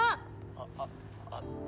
ああっあっ。